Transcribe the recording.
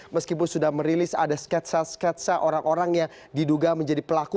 meskipun sudah merilis ada sketsa sketsa orang orang yang diduga menjadi pelaku